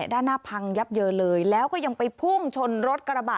ด้านหน้าพังยับเยินเลยแล้วก็ยังไปพุ่งชนรถกระบะ